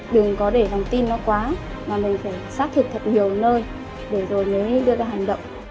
đừng có để thông tin nó quá mà mình phải xác thực thật nhiều nơi để rồi mới đưa ra hành động